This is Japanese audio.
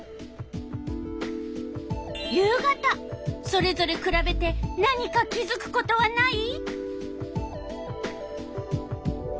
それぞれくらべて何か気づくことはない？